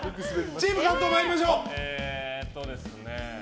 チーム関東、参りましょう。